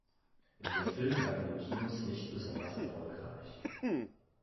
Der Film war in den Kinos nicht besonders erfolgreich.